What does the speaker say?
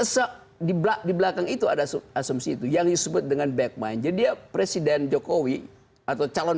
kalau di belakang itu ada asumsi itu yang disebut dengan backmind jadi presiden jokowi atau calon